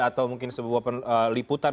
atau mungkin sebuah peliputan